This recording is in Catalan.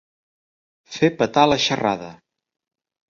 Fer petar la xerrada.